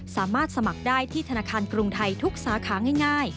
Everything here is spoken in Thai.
สามารถสมัครได้ที่ธนาคารกรุงไทยทุกสาขาง่าย